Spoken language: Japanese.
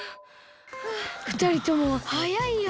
ふたりともはやいよ。